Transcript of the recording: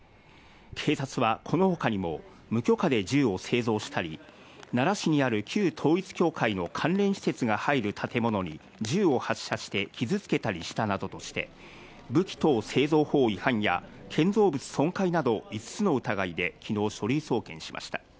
警察はこのほかにも、無許可で銃を製造したり、奈良市にある旧統一教会の関連施設が入る建物に銃を発射して、傷つけたりしたなどして、武器等製造法違反や、建造物損壊など５つの疑いできのう、書類送検しました。